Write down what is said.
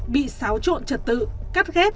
bị xáo trộn trật tự cắt ghép